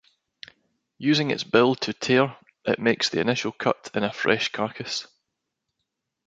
Using its bill to tear, it makes the initial cut in a fresh carcass.